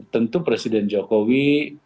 tentu presiden jokowi